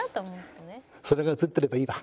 それが映ってればいいわ。